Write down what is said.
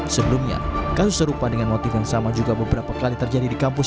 sebelumnya kasus serupa dengan motif yang sama juga beberapa kali terjadi di kampus